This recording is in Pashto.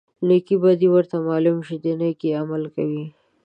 نیکې بدي ورته معلومه شي د نیکۍ عمل کوي.